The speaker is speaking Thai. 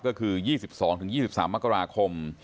ก็คือ๒๒๒๓มกราคม